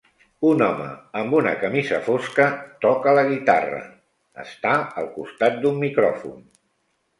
Un home amb una camisa fosca toca la guitarra està al costat d'un micròfon.